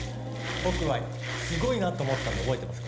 僕はすごいなと思ったんで覚えてます